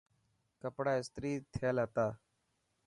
ڪپڙا استري ٿيل هتا.